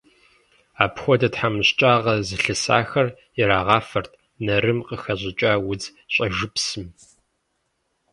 Апхуэдэ тхьэмыщкӏагъэ зылъысахэр ирагъафэрт нарым къыхэщӏыкӏа удз щӏэжыпсым.